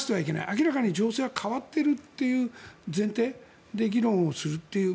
明らかに情勢は変わっているという前提で議論をするという。